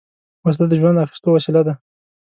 وسله د ژوند اخیستو وسیله ده